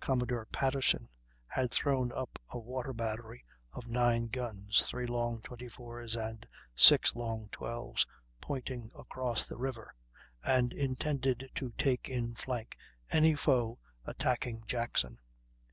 Commodore Patterson had thrown up a water battery of nine guns, three long 24's and six long 12's, pointing across the river, and intended to take in flank any foe attacking Jackson.